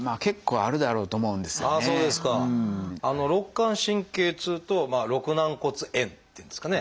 肋間神経痛と肋軟骨炎っていうんですかね。